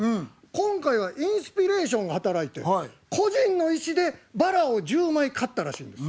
今回はインスピレーションが働いて個人の意思でバラを１０枚買ったらしいんです。